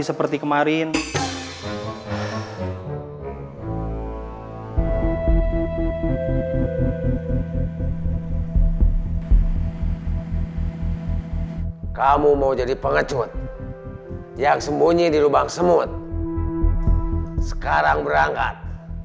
seperti kemarin kamu mau jadi pengecut yang sembunyi di lubang semut sekarang berangkat